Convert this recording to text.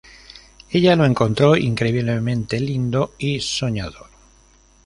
Ella lo encontró "increíblemente lindo" y "soñador".